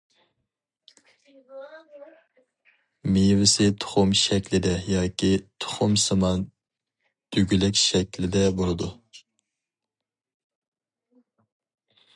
مېۋىسى تۇخۇم شەكلىدە ياكى تۇخۇمسىمان دۈگىلەك شەكلىدە بولىدۇ.